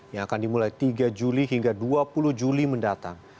yang akan dimulai tiga juli hingga dua puluh juli mendatang